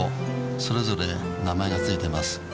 それぞれ名前が付いています。